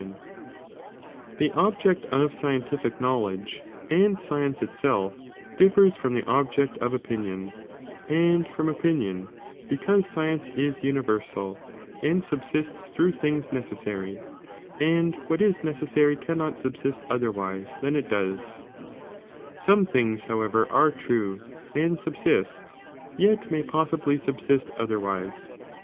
Bcfenceii The object of scientific knowledge and science •utuiiu ' (itself) differs from the object of opinion, and from throngh ihiiigt opinion, because science ia universal, and subsisia leLiccitbeiirio through things necessary, and what is necessary pipieofscienci;. gg^not subsist otherwise than it does ; some things however are true, and subsist, yet may possibly subBisl otherwise.